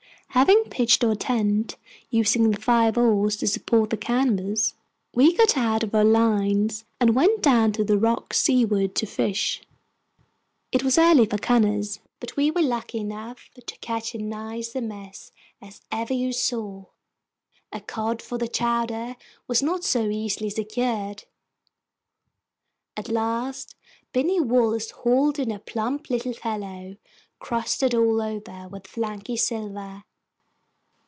Having pitched our tent, using the five oars to support the canvas, we got out our lines, and went down the rocks seaward to fish. It was early for cunners, but we were lucky enough to catch as nice a mess as ever you saw. A cod for the chowder was not so easily secured. At last Binny Wallace hauled in a plump little fellow crusted all over with flaky silver.